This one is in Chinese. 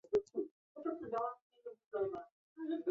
鹤舞车站中央本线与名古屋市营地下铁鹤舞线之车站。